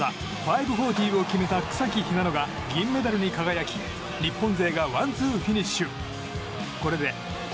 そして、大技５４０を決めた草木ひなのが銀メダルに輝き日本勢がワンツーフィニッシュ。